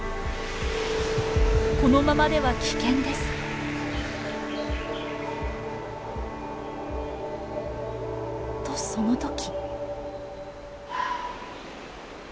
このままでは危険です。とその時。